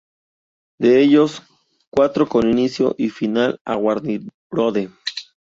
De ellos, cuatro con inicio y final a Wernigerode.